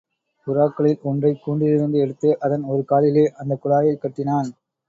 புறாக்களில் ஒன்றைக் கூண்டிலிருந்து எடுத்து, அதன் ஒரு காலிலே அந்தக் குழாயைக் கட்டினான்.